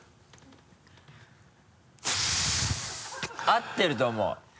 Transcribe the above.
合ってると思う。